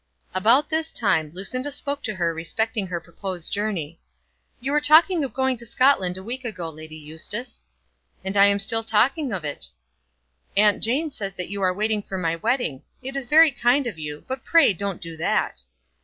About this time Lucinda spoke to her respecting her proposed journey. "You were talking of going to Scotland a week ago, Lady Eustace." "And am still talking of it." "Aunt Jane says that you are waiting for my wedding. It is very kind of you; but pray don't do that."